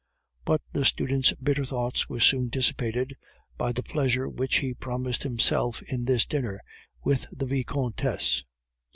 But the student's bitter thoughts were soon dissipated by the pleasure which he promised himself in this dinner with the Vicomtesse.